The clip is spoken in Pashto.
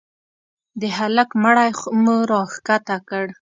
د هلك مړى مو راکښته کړ.